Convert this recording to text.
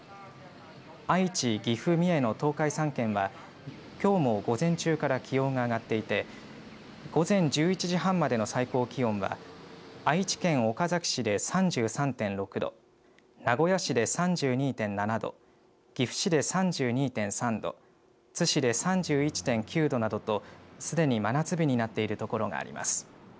愛知、岐阜、三重の東海３県はきょうも午前中から気温が上がっていて午前１１時半までの最高気温は愛知県岡崎市で３３．６度名古屋市で３２．７度岐阜市で３２．３度津市で３１．９度などとすでに真夏日になっているところがあります。